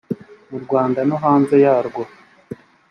mu rwanda no hanze yarwo